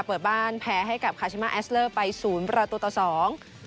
เปิดบ้านแพ้ให้กับคาชิมาแอสเลอร์ไปศูนย์ประตูต่อสอง